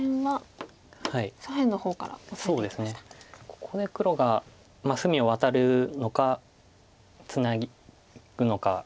ここで黒が隅をワタるのかツナぐのか。